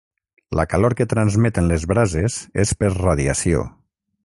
La calor que transmeten les brases és per radiació.